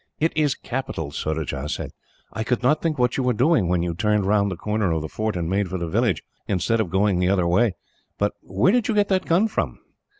"It is capital," Surajah said. "I could not think what you were doing, when you turned round the corner of the fort and made for the village, instead of going the other way. But where did you get that gun from?"